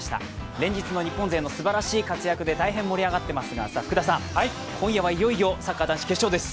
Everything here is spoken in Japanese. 連日の日本勢のすばらしい活躍で大変盛り上がっていますが、今夜はいよいよサッカー男子、決勝です。